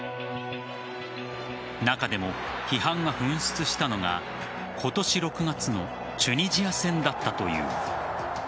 中でも批判が噴出したのが今年６月のチュニジア戦だったという。